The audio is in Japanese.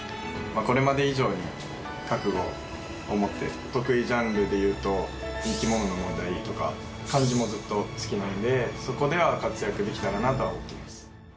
これまで以上に覚悟を持って得意ジャンルでいうと生き物の問題とか漢字もずっと好きなんでそこでは活躍できたらなとは思っています